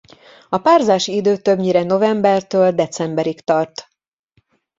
A párzási idő többnyire novembertől decemberig tart.